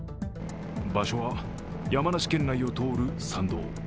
場所は山梨県内を通る山道。